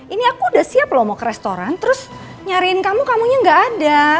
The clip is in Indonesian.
ini aku udah siap loh mau ke restoran terus nyariin kamu kamunya gak ada